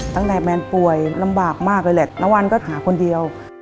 แมนป่วยลำบากมากเลยแหละณวันก็หาคนเดียว